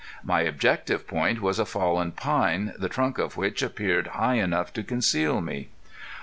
My objective point was a fallen pine the trunk of which appeared high enough to conceal me.